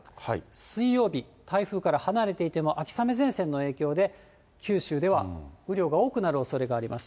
水曜日、台風から離れていても、秋雨前線の影響で、九州では雨量が多くなるおそれがあります。